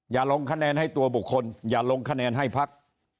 อย่าลงคะแนนให้ตัวบุคคลอย่าลงคะแนนให้พัก